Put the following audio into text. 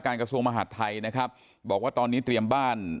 กระทรวงมหาดไทยนะครับบอกว่าตอนนี้เตรียมบ้าน